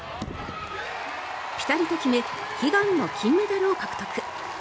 ピタリと決め悲願の金メダルを獲得。